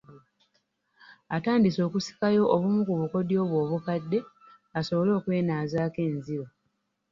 Atandise okusikayo obumu ku bukodyo bwe obukadde asobole okwenaazaako enziro